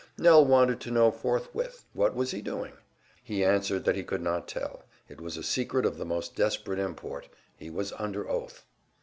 Nell wanted to know forthwith what was he doing; he answered that he could not tell, it was a secret of the most desperate import; he was under oath.